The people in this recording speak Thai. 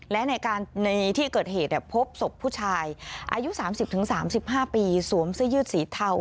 และในที่เกิดเหตุพบศพผู้ชายอายุ๓๐๓๕ปีสวมเสื้อยืดสีเทา